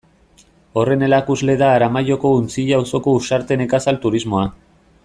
Horren erakusle da Aramaioko Untzilla auzoko Uxarte Nekazal Turismoa.